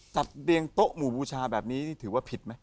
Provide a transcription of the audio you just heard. เรียงโต๊ะหมู่บูชาแบบนี้นี่ถือว่าผิดไหม